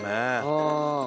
うん。